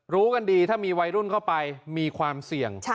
รู้กันดีถ้ามีวัยรุ่นเข้าไปมีความเสี่ยง